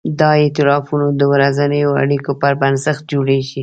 دا ایتلافونه د ورځنیو اړیکو پر بنسټ جوړېږي.